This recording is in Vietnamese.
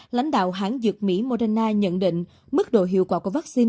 lãnh đạo hãng dược mỹ moderna nhận định mức độ hiệu quả của vaccine